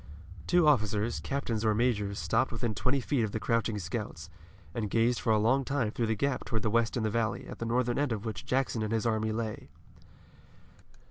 Two officers, captains or majors, stopped within twenty feet of the crouching scouts, and gazed for a long time through the Gap toward the west into the valley, at the northern end of which Jackson and his army lay.